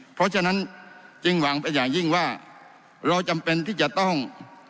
เพราะฉะนั้นจึงหวังเป็นอย่างยิ่งว่าเราจำเป็นที่จะต้อง